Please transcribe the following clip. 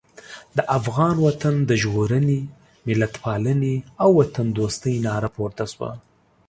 د افغان وطن د ژغورنې، ملتپالنې او وطندوستۍ ناره پورته شوه.